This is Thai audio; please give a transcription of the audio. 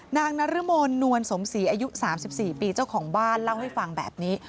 นางนรมนนวลสมศรีอายุ๓๔ปีเจ้าของบ้านเล่าให้ฟังแบบนี้